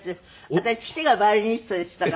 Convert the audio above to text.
私父がバイオリニストでしたから。